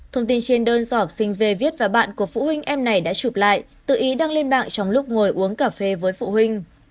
thông tin trên đơn do học sinh về viết và bạn của phụ huynh em này đã chụp lại tự ý đăng lên mạng trong lúc ngồi uống cà phê với phụ huynh